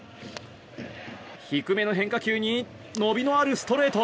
低めの変化球に伸びのあるストレート。